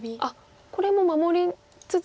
これも守りつつ。